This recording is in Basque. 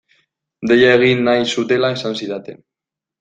Deia egin nahi zutela esan zidaten.